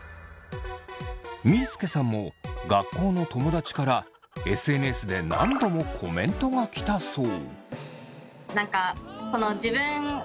みーすけさんも学校の友だちからＳＮＳで何度もコメントが来たそう。